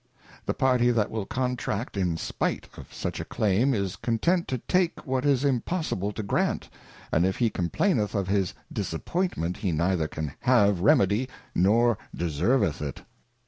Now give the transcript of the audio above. The party that will Contract in spight of such a Claim, is content to take what is impossible to grant, and if he complaineth of his Disappointment, he neither can have Remedy, nor de serveth it.